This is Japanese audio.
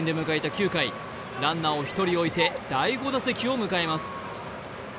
９回ランナーを１人置いて第５打席を迎えます。